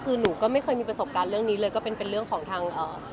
คือหนูก็ไม่เคยมีประสบการณ์เรื่องนี้เลยก็เป็นเป็นเรื่องของทางเอ่อ